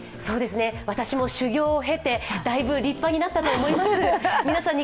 私も修業をへてだいぶ立派になったと思います。